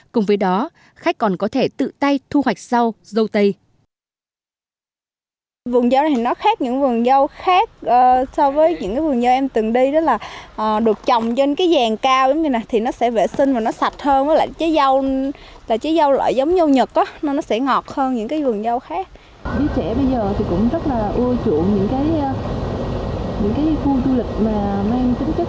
cùng với đó khách còn có thể tự tay thu hoạch rau râu tây